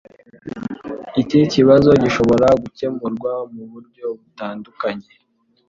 Iki kibazo gishobora gukemurwa muburyo butandukanye